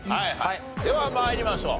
では参りましょう。